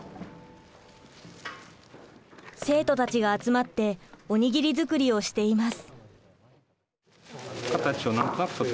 生徒たちが集まっておにぎり作りをしています。